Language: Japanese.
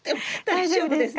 大丈夫ですか？